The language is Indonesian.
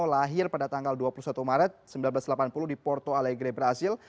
lahir pada tanggal dua puluh satu maret seribu sembilan ratus delapan puluh di porto alegre brazil